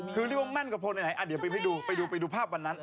คือมันก็พอไหนอ่ะเดี๋ยวไปดูไปดูภาพวันนั้น